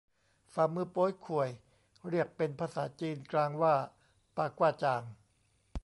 ฝ่ามือโป๊ยข่วย เรียกเป็นภาษาจีนกลางว่า ปากว้าจ่าง